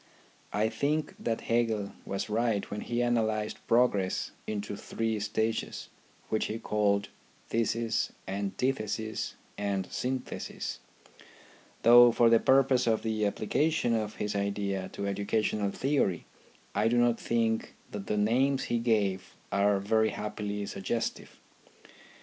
I think that Hegel was right when he analysed progress into three stages, which he called Thesis, Antithesis, and Synthesis ; though for the purpose of the applica io THE RHYTHM OF EDUCATION tion of his idea to educational theory I do not think that the names he gave are very happily suggestive.